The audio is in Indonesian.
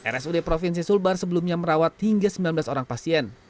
rsud provinsi sulbar sebelumnya merawat hingga sembilan belas orang pasien